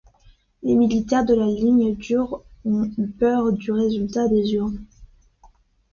Les militaires de la ligne dure ont eu peur du résultat des urnes.